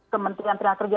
kementerian ternak kerja